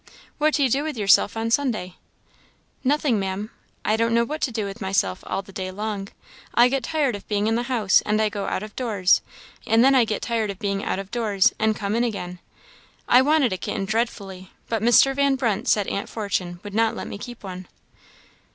"What do you do with yourself on Sunday?" "Nothing, Maam; I don't know what to do with myself all the day long. I get tired of being in the house, and I go out of doors; and then I get tired of being out of doors, and come in again. I wanted a kitten dreadfully, but Mr. Van Brunt said aunt Fortune would not let me keep one."